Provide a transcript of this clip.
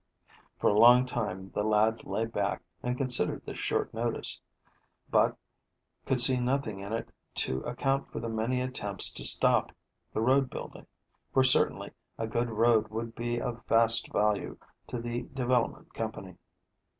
For a long time the lad lay back and considered this short notice, but could see nothing in it to account for the many attempts to stop the road building, for certainly a good road would be of vast value to the development company.